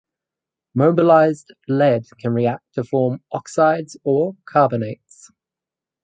Mobilized lead can react to form oxides or carbonates.